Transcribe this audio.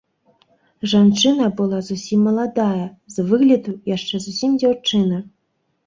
Жанчына была зусім маладая, з выгляду яшчэ зусім дзяўчына.